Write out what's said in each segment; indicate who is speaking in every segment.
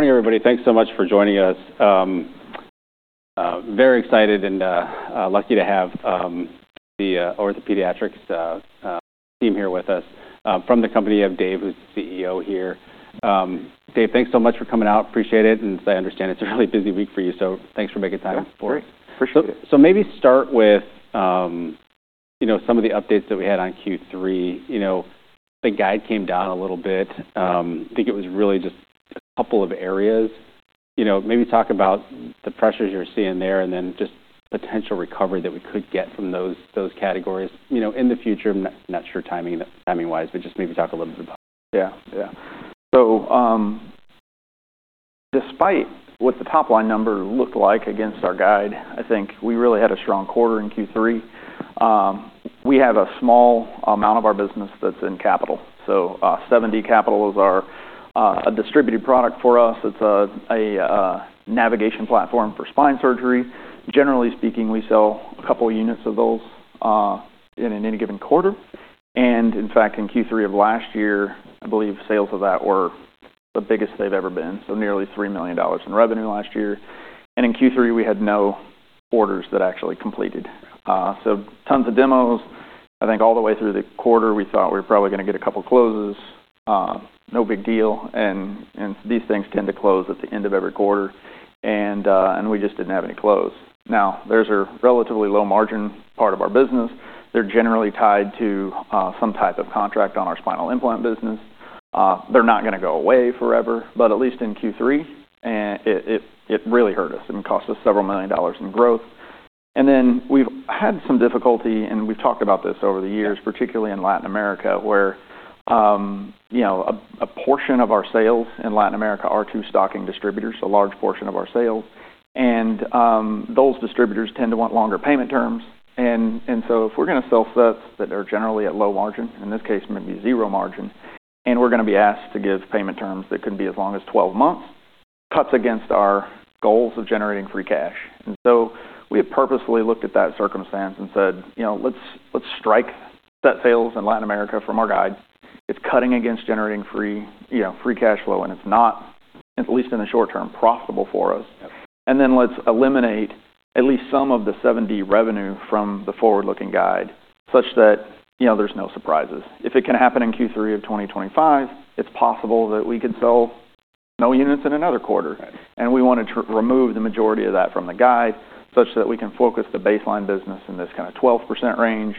Speaker 1: Morning, everybody. Thanks so much for joining us. Very excited and lucky to have the OrthoPediatrics team here with us from the company of Dave, who's the CEO here. Dave, thanks so much for coming out. Appreciate it, and as I understand, it's a really busy week for you, so thanks for making time for us.
Speaker 2: Yeah. Great. Appreciate it.
Speaker 1: Maybe start with, you know, some of the updates that we had on Q3. You know, the guide came down a little bit. I think it was really just a couple of areas. You know, maybe talk about the pressures you're seeing there and then just potential recovery that we could get from those categories, you know, in the future. I'm not sure timing-wise, but just maybe talk a little bit about it.
Speaker 2: Yeah. Yeah. So, despite what the top-line number looked like against our guide, I think we really had a strong quarter in Q3. We have a small amount of our business that's in capital. So, 7D capital is our, a distributed product for us. It's a navigation platform for spine surgery. Generally speaking, we sell a couple of units of those in any given quarter. And in fact, in Q3 of last year, I believe sales of that were the biggest they've ever been, so nearly $3 million in revenue last year. And in Q3, we had no orders that actually completed. So tons of demos. I think all the way through the quarter, we thought we were probably gonna get a couple of closes, no big deal. And these things tend to close at the end of every quarter. We just didn't have any close. Now, those are relatively low-margin part of our business. They're generally tied to some type of contract on our spinal implant business. They're not gonna go away forever, but at least in Q3, it really hurt us and cost us several million dolllars in growth. Then we've had some difficulty, and we've talked about this over the years, particularly in Latin America, where, you know, a portion of our sales in Latin America are to stocking distributors, a large portion of our sales. Those distributors tend to want longer payment terms. So if we're gonna sell sets that are generally at low margin, in this case, maybe zero margin, and we're gonna be asked to give payment terms that could be as long as 12 months, it cuts against our goals of generating free cash. We have purposefully looked at that circumstance and said, you know, let's strike set sales in Latin America from our guide. It's cutting against generating free, you know, free cash flow, and it's not, at least in the short term, profitable for us.
Speaker 1: Yep.
Speaker 2: Then let's eliminate at least some of the 7D revenue from the forward-looking guide such that, you know, there's no surprises. If it can happen in Q3 of 2025, it's possible that we could sell no units in another quarter.
Speaker 1: Right.
Speaker 2: We wanna remove the majority of that from the guide such that we can focus the baseline business in this kinda 12% range.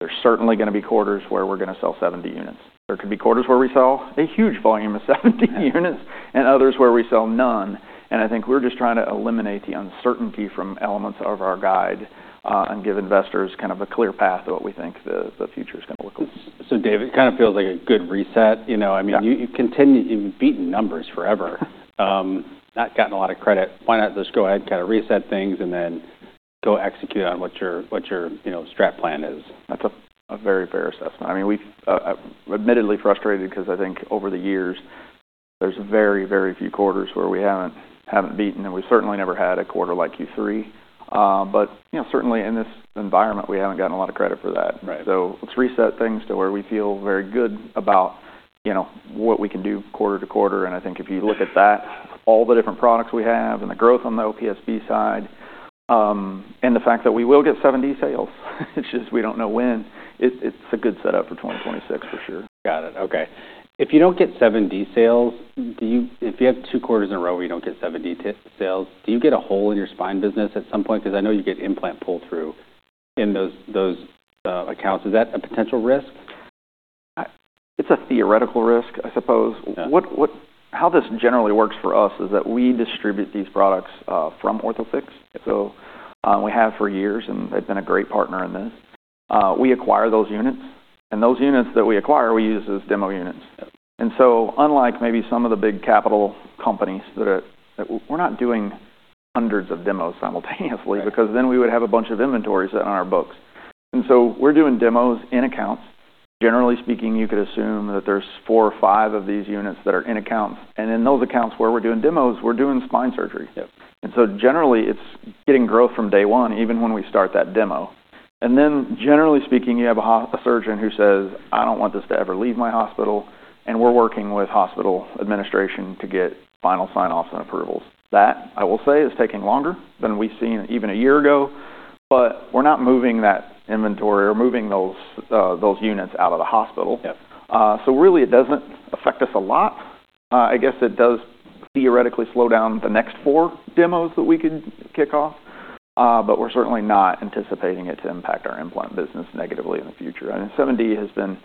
Speaker 2: There's certainly gonna be quarters where we're gonna sell 7D units. There could be quarters where we sell a huge volume of 7D units and others where we sell none. I think we're just trying to eliminate the uncertainty from elements of our guide, and give investors kind of a clear path to what we think the future's gonna look like.
Speaker 1: So, Dave, it kinda feels like a good reset. You know, I mean.
Speaker 2: Yeah.
Speaker 1: You've been beating numbers forever. Not gotten a lot of credit. Why not just go ahead and kinda reset things and then go execute on what your, you know, strat plan is?
Speaker 2: That's a very fair assessment. I mean, we've admittedly frustrated 'cause I think over the years, there's very, very few quarters where we haven't beaten, and we've certainly never had a quarter like Q3, but you know, certainly in this environment, we haven't gotten a lot of credit for that.
Speaker 1: Right.
Speaker 2: So let's reset things to where we feel very good about, you know, what we can do quarter to quarter. And I think if you look at that, all the different products we have and the growth on the OPSB side, and the fact that we will get 7D sales, it's just we don't know when. It, it's a good setup for 2026 for sure.
Speaker 1: Got it. Okay. If you don't get 7D sales, if you have two quarters in a row where you don't get 7D sales, do you get a hole in your spine business at some point? 'Cause I know you get implant pull-through in those accounts. Is that a potential risk?
Speaker 2: It's a theoretical risk, I suppose.
Speaker 1: Yeah.
Speaker 2: How this generally works for us is that we distribute these products from Orthofix.
Speaker 1: Yep.
Speaker 2: So, we have for years, and they've been a great partner in this. We acquire those units, and those units that we acquire, we use as demo units.
Speaker 1: Yep.
Speaker 2: And so unlike maybe some of the big capital companies that we're not doing hundreds of demos simultaneously.
Speaker 1: Right.
Speaker 2: Because then we would have a bunch of inventories on our books. And so we're doing demos in accounts. Generally speaking, you could assume that there's four or five of these units that are in accounts. And in those accounts where we're doing demos, we're doing spine surgery.
Speaker 1: Yep.
Speaker 2: Generally, it's getting growth from day one, even when we start that demo. Generally speaking, you have a surgeon who says, "I don't want this to ever leave my hospital," and we're working with hospital administration to get final sign-offs and approvals. That, I will say, is taking longer than we've seen even a year ago, but we're not moving that inventory or moving those units out of the hospital.
Speaker 1: Yep.
Speaker 2: So really, it doesn't affect us a lot. I guess it does theoretically slow down the next four demos that we could kick off, but we're certainly not anticipating it to impact our implant business negatively in the future. I mean, 7D has been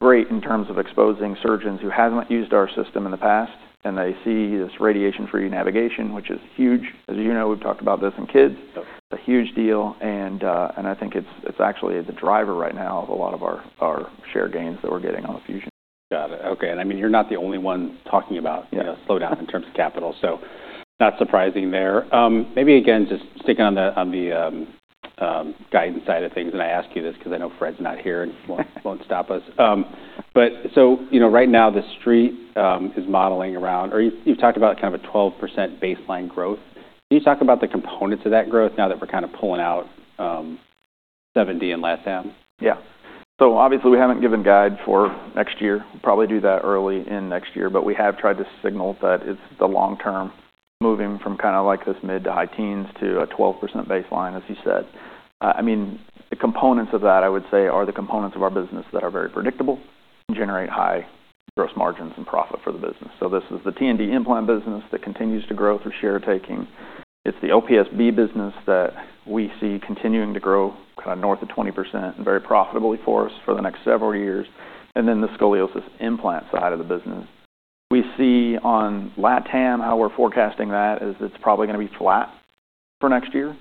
Speaker 2: great in terms of exposing surgeons who haven't used our system in the past, and they see this radiation-free navigation, which is huge. As you know, we've talked about this in kids.
Speaker 1: Yep.
Speaker 2: A huge deal. I think it's actually the driver right now of a lot of our share gains that we're getting on the fusion.
Speaker 1: Got it. Okay. And I mean, you're not the only one talking about, you know, slow down in terms of capital. So not surprising there. Maybe again, just sticking on the guidance side of things, and I ask you this 'cause I know Fred's not here and won't stop us. But so, you know, right now, the Street is modeling around or you've talked about kind of a 12% baseline growth. Can you talk about the components of that growth now that we're kinda pulling out 7D and LatAm?
Speaker 2: Yeah. So obviously, we haven't given guidance for next year. We'll probably do that early in next year, but we have tried to signal that it's the long term, moving from kinda like this mid- to high-teens to a 12% baseline, as you said. I mean, the components of that, I would say, are the components of our business that are very predictable and generate high gross margins and profit for the business. So this is the T&D implant business that continues to grow through share taking. It's the OPSB business that we see continuing to grow kinda north of 20% and very profitably for us for the next several years. And then the scoliosis implant side of the business, we see on Latin, how we're forecasting that is it's probably gonna be flat for next year.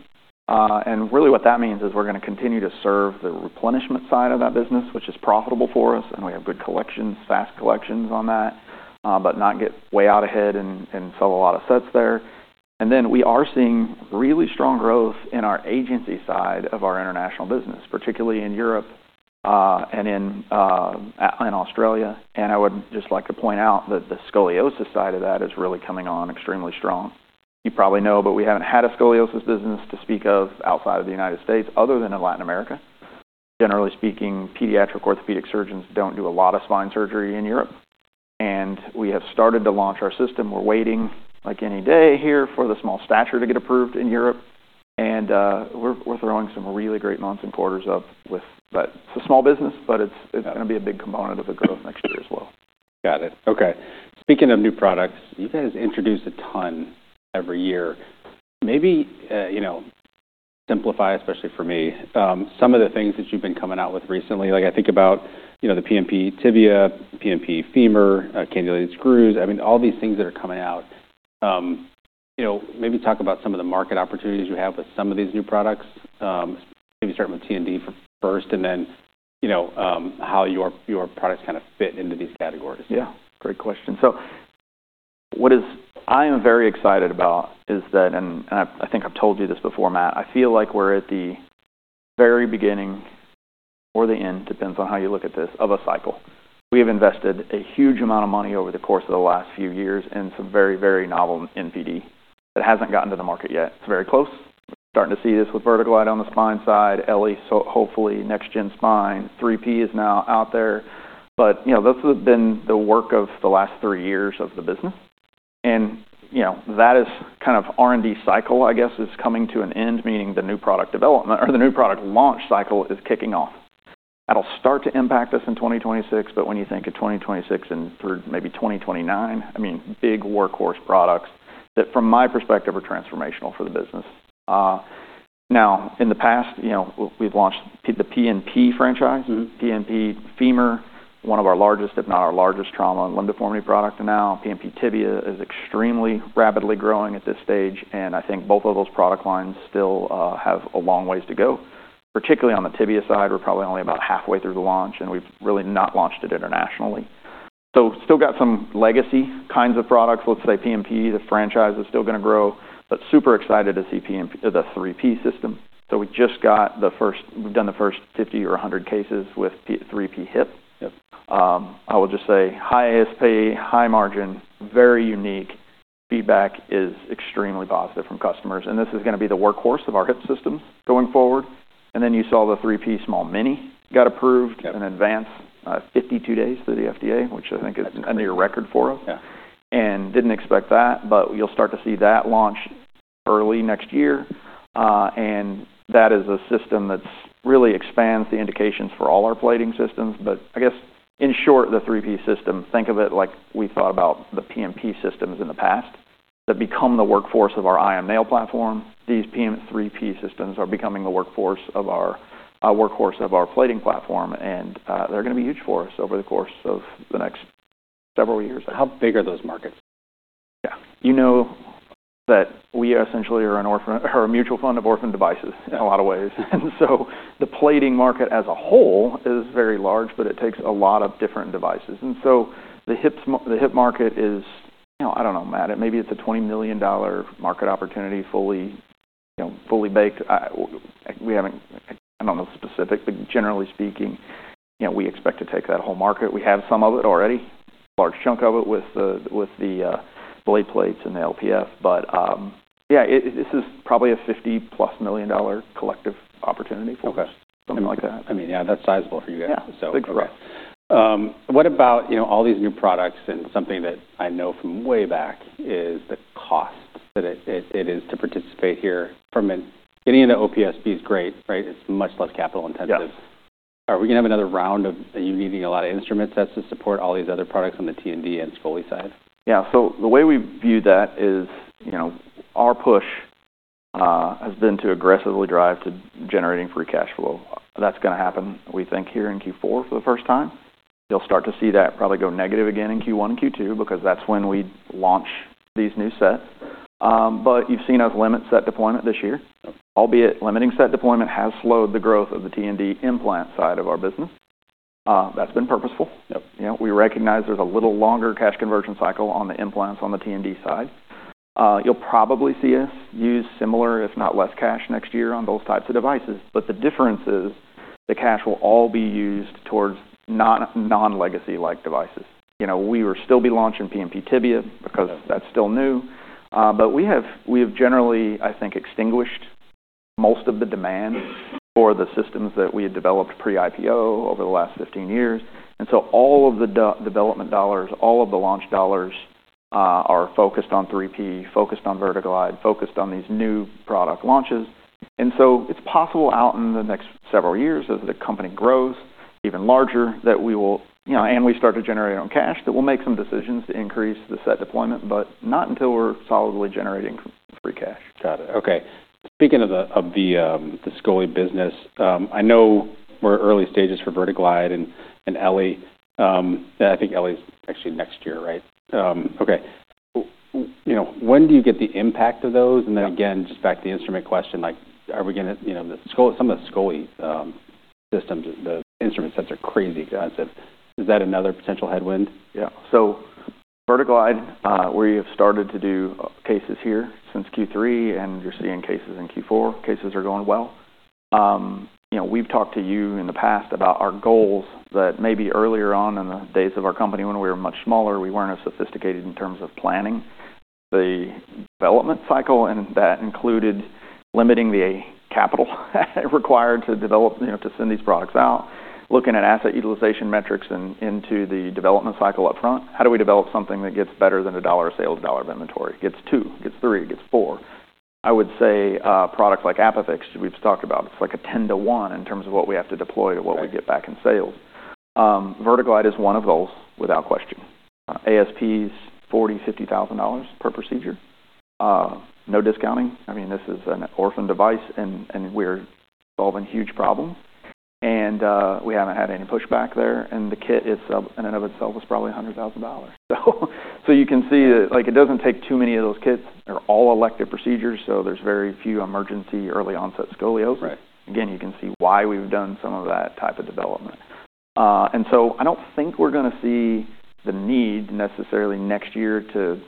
Speaker 2: And really what that means is we're gonna continue to serve the replenishment side of that business, which is profitable for us, and we have good collections, fast collections on that, but not get way out ahead and sell a lot of sets there. And then we are seeing really strong growth in our agency side of our international business, particularly in Europe and in Australia. And I would just like to point out that the scoliosis side of that is really coming on extremely strong. You probably know, but we haven't had a scoliosis business to speak of outside of the United States other than in Latin America. Generally speaking, pediatric orthopedic surgeons don't do a lot of spine surgery in Europe. And we have started to launch our system. We're waiting, like any day here, for the Small Stature to get approved in Europe. We're throwing some really great months and quarters up with, but it's a small business, but it's gonna be a big component of the growth next year as well.
Speaker 1: Got it. Okay. Speaking of new products, you guys introduce a ton every year. Maybe, you know, simplify, especially for me, some of the things that you've been coming out with recently. Like, I think about, you know, the PNP Tibia, PNP Femur, cannulated screws. I mean, all these things that are coming out. You know, maybe talk about some of the market opportunities you have with some of these new products. Maybe start with T&D first and then, you know, how your, your products kinda fit into these categories.
Speaker 2: Yeah. Great question. So what I am very excited about is that, and I think I've told you this before, Matt. I feel like we're at the very beginning or the end, depends on how you look at this, of a cycle. We have invested a huge amount of money over the course of the last few years in some very, very novel NPD that hasn't gotten to the market yet. It's very close. We're starting to see this with Verticale on the spine side, eLLi, so hopefully next-gen spine. 3P is now out there. But, you know, that's been the work of the last three years of the business. And, you know, that is kind of R&D cycle, I guess, is coming to an end, meaning the new product development or the new product launch cycle is kicking off. That'll start to impact us in 2026, but when you think of 2026 and through maybe 2029, I mean, big workhorse products that, from my perspective, are transformational for the business. Now, in the past, you know, we've launched the PNP franchise.
Speaker 1: Mm-hmm.
Speaker 2: PNP Femur, one of our largest, if not our largest, trauma and limb deformity product now. PNP Tibia is extremely rapidly growing at this stage, and I think both of those product lines still have a long ways to go, particularly on the tibia side. We're probably only about halfway through the launch, and we've really not launched it internationally. So still got some legacy kinds of products. Let's say PNP, the franchise is still gonna grow, but super excited to see PNP, the 3P system. So we've done the first 50 or 100 cases with the 3P Hip.
Speaker 1: Yep.
Speaker 2: I will just say high ASP, high margin, very unique. Feedback is extremely positive from customers. And this is gonna be the workhorse of our hip systems going forward. And then you saw the 3P Small Mini got approved.
Speaker 1: Yep.
Speaker 2: In advance, 52 days through the FDA, which I think is a near record for us.
Speaker 1: Yeah.
Speaker 2: And didn't expect that, but you'll start to see that launch early next year. And that is a system that's really expands the indications for all our plating systems. But I guess, in short, the 3P system, think of it like we thought about the PNP systems in the past that become the workhorse of our IM nail platform. These 3P systems are becoming the workhorse of our plating platform. And, they're gonna be huge for us over the course of the next several years.
Speaker 1: How big are those markets?
Speaker 2: Yeah. You know that we essentially are an orphan or a mutual fund of orphan devices in a lot of ways. And so the plating market as a whole is very large, but it takes a lot of different devices. And so the hips, the hip market is, you know, I don't know, Matt, it maybe it's a $20 million market opportunity, fully, you know, fully baked. We haven't. I don't know the specifics, but generally speaking, you know, we expect to take that whole market. We have some of it already, large chunk of it with the blade plates and the LPF. But, yeah, this is probably a $50-plus million collective opportunity for us.
Speaker 1: Okay.
Speaker 2: Something like that.
Speaker 1: I mean, yeah, that's sizable for you guys.
Speaker 2: Yeah.
Speaker 1: So.
Speaker 2: Big for us.
Speaker 1: What about, you know, all these new products and something that I know from way back is the cost that it is to participate here from a getting into OPSB is great, right? It's much less capital intensive.
Speaker 2: Yeah.
Speaker 1: Are we gonna have another round of you needing a lot of instrument sets to support all these other products on the T&D and scoli side?
Speaker 2: Yeah. So the way we view that is, you know, our push has been to aggressively drive to generating free cash flow. That's gonna happen, we think, here in Q4 for the first time. You'll start to see that probably go negative again in Q1 and Q2 because that's when we launch these new sets. But you've seen us limit set deployment this year.
Speaker 1: Yep.
Speaker 2: Albeit limiting set deployment has slowed the growth of the T&D implant side of our business. That's been purposeful.
Speaker 1: Yep.
Speaker 2: You know, we recognize there's a little longer cash conversion cycle on the implants on the T&D side. You'll probably see us use similar, if not less, cash next year on those types of devices. But the difference is the cash will all be used towards non-legacy-like devices. You know, we will still be launching PNP Tibia because that's still new. But we have generally, I think, extinguished most of the demand for the systems that we had developed pre-IPO over the last 15 years. And so all of the development dollars, all of the launch dollars, are focused on 3P, focused on Verticale, focused on these new product launches. And so it's possible out in the next several years as the company grows even larger that we will, you know, and we start to generate cash that we'll make some decisions to increase the debt deployment, but not until we're solidly generating free cash.
Speaker 1: Got it. Okay. Speaking of the scoli business, I know we're early stages for Verticale and eLLi. And I think eLLi's actually next year, right? Okay. You know, when do you get the impact of those? And then again, just back to the instrument question, like, are we gonna, you know, the scoli, some of the scoli systems, the instrument sets are crazy expensive. Is that another potential headwind?
Speaker 2: Yeah. So Verticale, where you have started to do cases here since Q3, and you're seeing cases in Q4, cases are going well. You know, we've talked to you in the past about our goals that maybe earlier on in the days of our company when we were much smaller, we weren't as sophisticated in terms of planning the development cycle, and that included limiting the capital required to develop, you know, to send these products out, looking at asset utilization metrics and into the development cycle upfront. How do we develop something that gets better than $1 of sales, $1 of inventory? It gets two, it gets three, it gets four. I would say, products like ApiFix, we've talked about, it's like a 10 to 1 in terms of what we have to deploy or what we get back in sales. Verticale is one of those without question. ASP is $40,000-$50,000 per procedure. No discounting. I mean, this is an orphan device, and we're solving huge problems, and we haven't had any pushback there. The kit itself in and of itself is probably $100,000. So you can see that, like, it doesn't take too many of those kits. They're all elective procedures, so there's very few emergency early onset scoliosis.
Speaker 1: Right.
Speaker 2: Again, you can see why we've done some of that type of development. And so I don't think we're gonna see the need necessarily next year to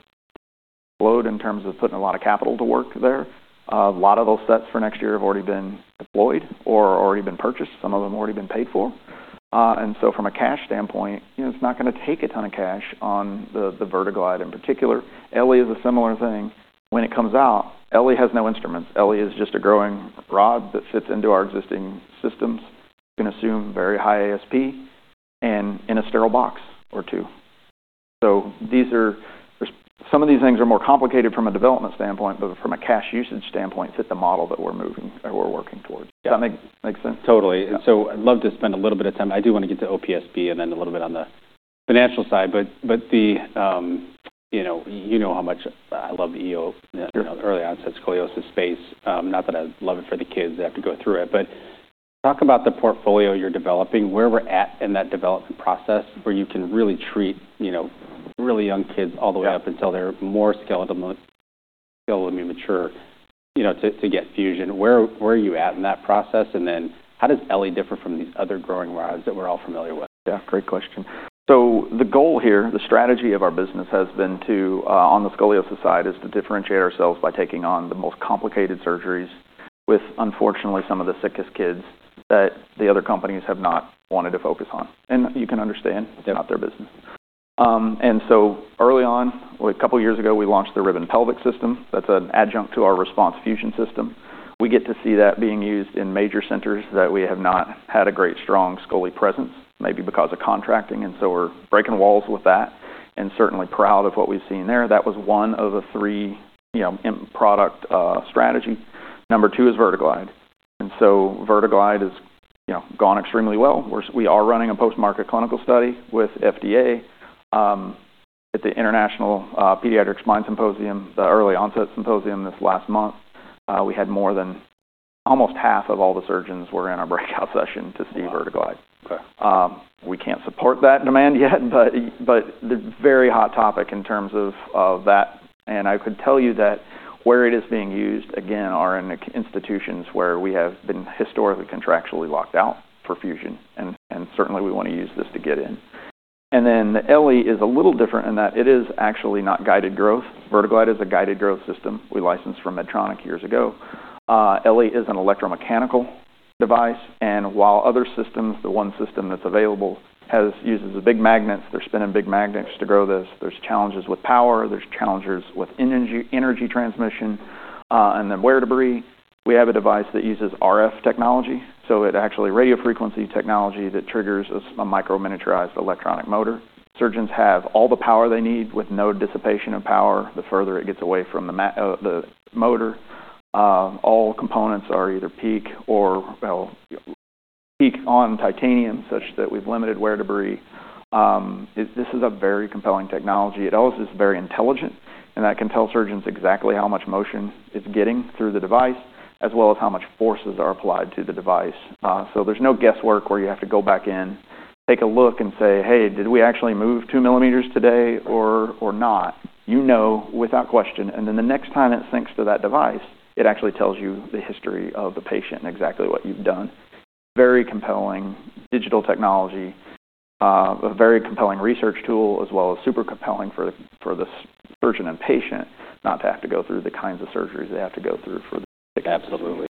Speaker 2: load in terms of putting a lot of capital to work there. A lot of those sets for next year have already been deployed or already been purchased. Some of them have already been paid for. And so from a cash standpoint, you know, it's not gonna take a ton of cash on the Verticale in particular. eLLi is a similar thing. When it comes out, eLLi has no instruments. eLLi is just a growing rod that fits into our existing systems. It can assume very high ASP and in a sterile box or two. These are some of these things are more complicated from a development standpoint, but from a cash usage standpoint, fit the model that we're moving or we're working towards.
Speaker 1: Yeah.
Speaker 2: Does that make sense?
Speaker 1: Totally. And so I'd love to spend a little bit of time. I do wanna get to OPSB and then a little bit on the financial side, but the, you know, you know how much I love the EO, you know, early onset scoliosis space. Not that I love it for the kids. They have to go through it. But talk about the portfolio you're developing, where we're at in that development process where you can really treat, you know, really young kids all the way up until they're more skeletal, skeletally mature, you know, to, to get fusion. Where, where are you at in that process? And then how does eLLi differ from these other growing rods that we're all familiar with?
Speaker 2: Yeah. Great question. So the goal here, the strategy of our business has been to, on the Scoliosis side, is to differentiate ourselves by taking on the most complicated surgeries with, unfortunately, some of the sickest kids that the other companies have not wanted to focus on. And you can understand.
Speaker 1: Yeah.
Speaker 2: It's not their business, and so early on, a couple of years ago, we launched the Rib & Pelvic System that's an adjunct to our RESPONSE fusion system. We get to see that being used in major centers that we have not had a great strong scoli presence, maybe because of contracting. And so we're breaking walls with that and certainly proud of what we've seen there. That was one of the three, you know, important product strategy. Number two is Verticale. And so Verticale is, you know, gone extremely well. We are running a post-market clinical study with FDA at the International Pediatric Orthopaedic Symposium, the early onset symposium this last month, we had more than almost half of all the surgeons were in a breakout session to see Verticale.
Speaker 1: Okay.
Speaker 2: We can't support that demand yet, but the very hot topic in terms of that. And I could tell you that where it is being used, again, are in institutions where we have been historically contractually locked out for fusion. And certainly we wanna use this to get in. And then the eLLi is a little different in that it is actually not guided growth. Verticale is a guided growth system we licensed from Medtronic years ago. eLLi is an electromechanical device. And while other systems, the one system that's available, uses the big magnets, they're spinning big magnets to grow this, there's challenges with power, there's challenges with energy transmission, and then wear debris. We have a device that uses RF technology. So it actually radio frequency technology that triggers a micro miniaturized electronic motor. Surgeons have all the power they need with no dissipation of power the further it gets away from the motor. All components are either PEEK or, well, PEEK on titanium such that we've limited wear debris. This is a very compelling technology. It also is very intelligent, and that can tell surgeons exactly how much motion it's getting through the device as well as how much forces are applied to the device. So there's no guesswork where you have to go back in, take a look, and say, "Hey, did we actually move 2 mm today or, or not?" You know without question, and then the next time it syncs to that device, it actually tells you the history of the patient and exactly what you've done. Very compelling digital technology, a very compelling research tool as well as super compelling for the surgeon and patient not to have to go through the kinds of surgeries they have to go through for the.
Speaker 1: Absolutely.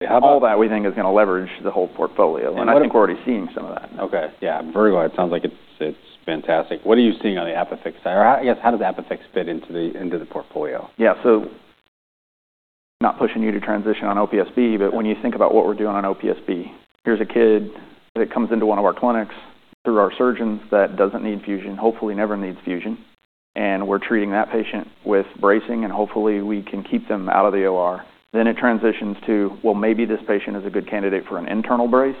Speaker 2: They have all that we think is gonna leverage the whole portfolio.
Speaker 1: I think.
Speaker 2: I think we're already seeing some of that.
Speaker 1: Okay. Yeah. I'm very glad. It sounds like it's, it's fantastic. What are you seeing on the ApiFix side? Or I guess, how does ApiFix fit into the portfolio?
Speaker 2: Yeah. So not pushing you to transition on OPSB, but when you think about what we're doing on OPSB, here's a kid that comes into one of our clinics through our surgeons that doesn't need fusion, hopefully never needs fusion. And we're treating that patient with bracing, and hopefully we can keep them out of the OR. Then it transitions to, "Well, maybe this patient is a good candidate for an internal brace."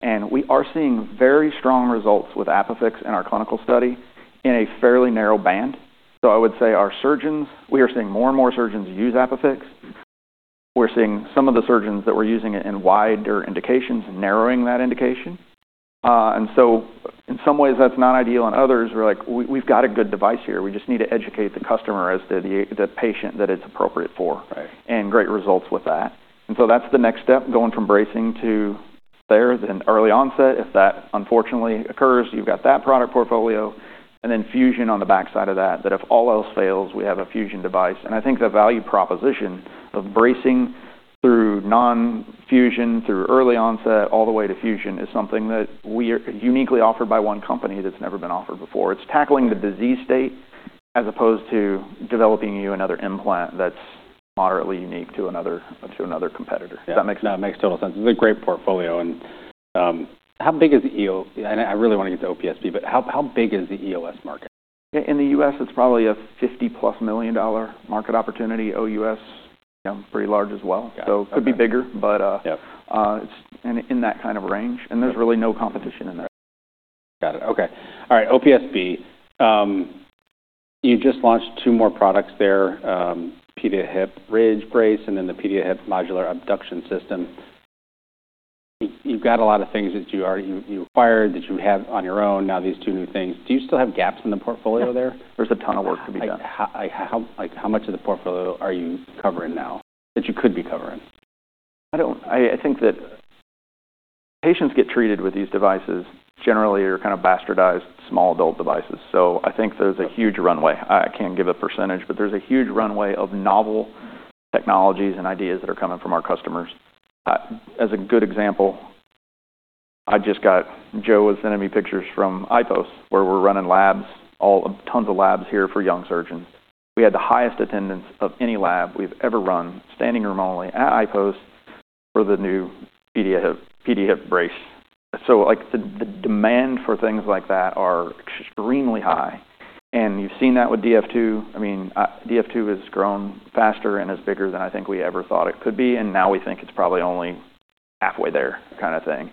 Speaker 2: And we are seeing very strong results with ApiFix in our clinical study in a fairly narrow band. So I would say our surgeons, we are seeing more and more surgeons use ApiFix. We're seeing some of the surgeons that we're using it in wider indications narrowing that indication. And so in some ways that's not ideal. In others, we're like, "We've got a good device here. We just need to educate the customer as to the patient that it's appropriate for.
Speaker 1: Right.
Speaker 2: And great results with that. And so that's the next step going from bracing to there's an early onset. If that unfortunately occurs, you've got that product portfolio. And then fusion on the backside of that, that if all else fails, we have a fusion device. And I think the value proposition of bracing through non-fusion, through early onset, all the way to fusion is something that we are uniquely offered by one company that's never been offered before. It's tackling the disease state as opposed to developing you another implant that's moderately unique to another to another competitor.
Speaker 1: Yeah. Does that make sense? That makes total sense. It's a great portfolio. And, how big is EO? And I really wanna get to OPSB, but how big is the EOS market?
Speaker 2: Yeah. In the U.S., it's probably a $50+ million market opportunity. OUS, you know, pretty large as well.
Speaker 1: Got it.
Speaker 2: So it could be bigger, but,
Speaker 1: Yeah.
Speaker 2: It's in that kind of range. There's really no competition in there.
Speaker 1: Got it. Okay. All right. OPSB, you just launched two more products there, PediaHip Bridge Brace and then the PediaHip Modular Abduction System. You've got a lot of things that you already acquired that you have on your own. Now these two new things. Do you still have gaps in the portfolio there?
Speaker 2: There's a ton of work to be done.
Speaker 1: Like, how much of the portfolio are you covering now that you could be covering?
Speaker 2: I don't, I think that patients get treated with these devices generally are kind of bastardized small adult devices. So I think there's a huge runway. I can't give a percentage, but there's a huge runway of novel technologies and ideas that are coming from our customers. As a good example, I just got Joe sending me pictures from IPOS where we're running labs, a ton of labs here for young surgeons. We had the highest attendance of any lab we've ever run standing room only at IPOS for the new PediaHip, PediaHip Brace. So, like, the demand for things like that are extremely high. And you've seen that with DF2. I mean, DF2 has grown faster and is bigger than I think we ever thought it could be. And now we think it's probably only halfway there kind of thing.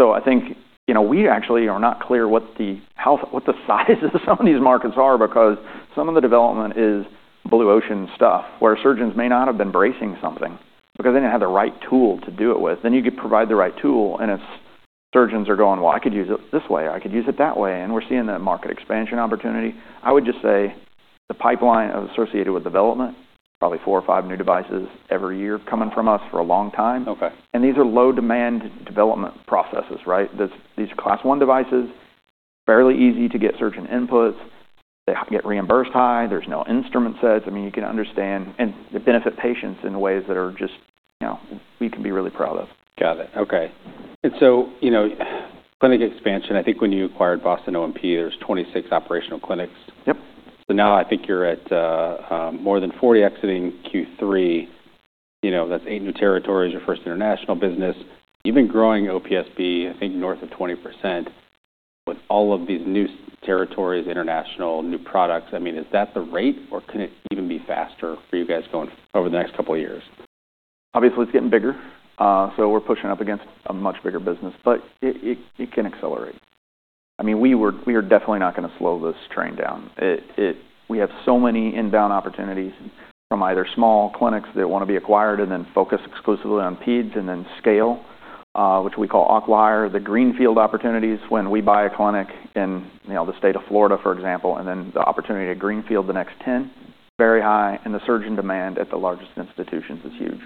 Speaker 2: I think, you know, we actually are not clear what the hell, what the sizes on these markets are because some of the development is blue ocean stuff where surgeons may not have been bracing something because they didn't have the right tool to do it with. Then you could provide the right tool, and it's surgeons are going, "Well, I could use it this way. I could use it that way." We're seeing that market expansion opportunity. I would just say the pipeline associated with development, probably four or five new devices every year coming from us for a long time.
Speaker 1: Okay.
Speaker 2: These are low-demand development processes, right? These class one devices, fairly easy to get surgeon inputs. They get reimbursed high. There's no instrument sets. I mean, you can understand and they benefit patients in ways that are just, you know, we can be really proud of.
Speaker 1: Got it. Okay. And so, you know, clinic expansion. I think when you acquired Boston O&P, there's 26 operational clinics.
Speaker 2: Yep.
Speaker 1: So now I think you're at more than 40 exiting Q3. You know, that's eight new territories. Your first international business. You've been growing OPSB, I think north of 20% with all of these new territories, international, new products. I mean, is that the rate or can it even be faster for you guys going over the next couple of years?
Speaker 2: Obviously, it's getting bigger, so we're pushing up against a much bigger business, but it can accelerate. I mean, we were, we are definitely not gonna slow this train down. We have so many inbound opportunities from either small clinics that wanna be acquired and then focus exclusively on peds and then scale, which we call acquire, the greenfield opportunities when we buy a clinic in, you know, the state of Florida, for example, and then the opportunity to greenfield the next 10, very high. And the surgeon demand at the largest institutions is huge.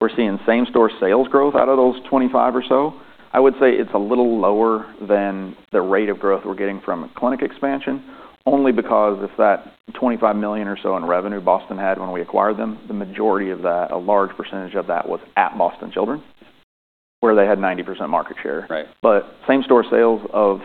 Speaker 2: We're seeing same-store sales growth out of those 25 or so. I would say it's a little lower than the rate of growth we're getting from clinic expansion only because of that $25 million or so in revenue Boston had when we acquired them. The majority of that, a large percentage of that was at Boston Children's where they had 90% market share.
Speaker 1: Right.
Speaker 2: But same-store sales of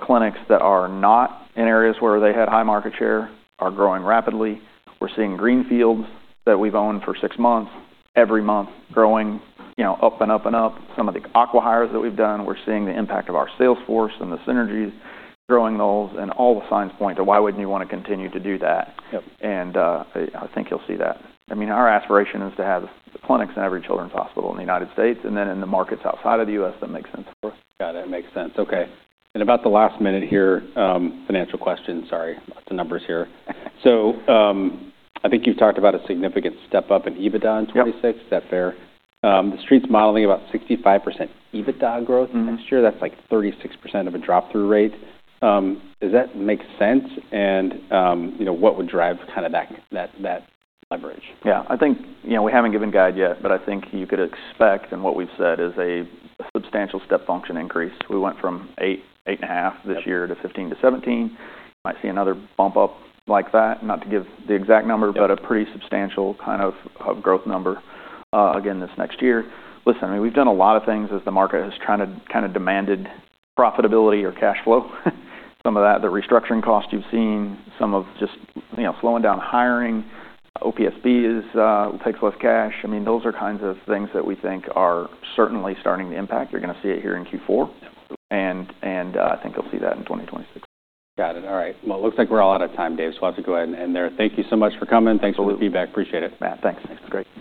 Speaker 2: clinics that are not in areas where they had high market share are growing rapidly. We're seeing greenfields that we've owned for six months every month growing, you know, up and up and up. Some of the acquisitions that we've done, we're seeing the impact of our sales force and the synergies growing those. And all the signs point to why wouldn't you wanna continue to do that?
Speaker 1: Yep.
Speaker 2: I think you'll see that. I mean, our aspiration is to have clinics in every children's hospital in the United States and then in the markets outside of the U.S. that make sense for us.
Speaker 1: Got it. That makes sense. Okay, and about the last minute here, financial questions. Sorry. Lots of numbers here, so I think you've talked about a significant step up in EBITDA in 2026.
Speaker 2: Yep.
Speaker 1: Is that fair? The street's modeling about 65% EBITDA growth next year.
Speaker 2: Mm-hmm.
Speaker 1: That's like 36% of a drop-through rate. Does that make sense? And, you know, what would drive kind of that leverage?
Speaker 2: Yeah. I think, you know, we haven't given guide yet, but I think you could expect in what we've said is a substantial step function increase. We went from eight, eight and a half this year to 15 to 17. You might see another bump up like that. Not to give the exact number, but a pretty substantial kind of growth number, again this next year. Listen, I mean, we've done a lot of things as the market has kind of demanded profitability or cash flow. Some of that, the restructuring costs you've seen, some of just, you know, slowing down hiring. OPSB takes less cash. I mean, those are kinds of things that we think are certainly starting to impact. You're gonna see it here in Q4. And I think you'll see that in 2026.
Speaker 1: Got it. All right. Well, it looks like we're all out of time, Dave. So I have to go ahead and end there. Thank you so much for coming. Thanks for the feedback. Appreciate it.
Speaker 2: Matt, thanks.
Speaker 1: Thanks. Great.